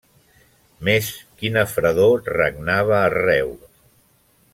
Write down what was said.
Més, quina fredor regnava arreu!